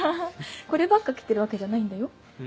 こればっか着てるわけじゃないんだよ。